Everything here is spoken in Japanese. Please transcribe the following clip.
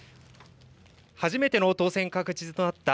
初めての当選確実となった